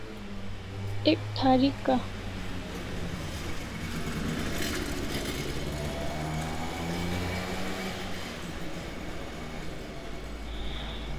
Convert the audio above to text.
Ek tharika